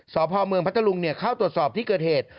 สพเมืองพัทธลุงเข้าตรวจสอบที่เกิดเหตุ